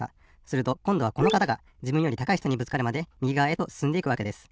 するとこんどはこの方がじぶんより高いひとにぶつかるまでみぎがわへとすすんでいくわけです。